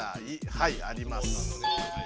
はいあります。